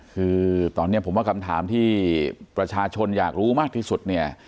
คือตอนนี้ผมว่าคำถามที่ประชาชนอยากรู้มากที่สุดเนี่ย